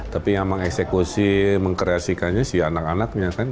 tapi yang mengeksekusi mengkreasikannya si anak anaknya kan